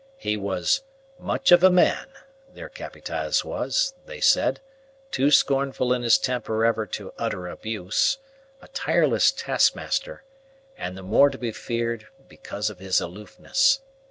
He was "much of a man," their Capataz was, they said, too scornful in his temper ever to utter abuse, a tireless taskmaster, and the more to be feared because of his aloofness.